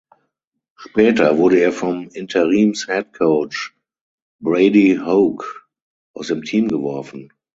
Später wurde er vom Interims Head Coach Brady Hoke aus dem Team geworfen.